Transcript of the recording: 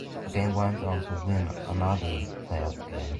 Spokane went on to win another playoff game.